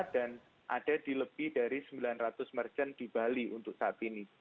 dan ada di lebih dari sembilan ratus marjan di bali untuk saat ini